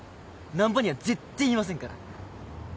難破には絶対言いませんから。